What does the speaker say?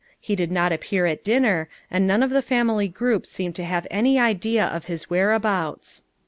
He did not appear at diuner, and none of the family group seemed to have any idea of his whereabouts.